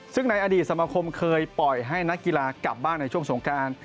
ซึ่งในอดีตสมคมเคยปล่อยให้นักกีฬากลับบ้านในช่วงสงการ